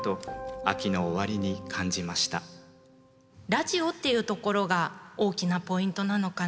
ラジオっていうところが大きなポイントなのかなと思います。